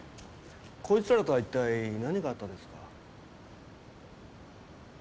こいつらとは一体何があったんですか？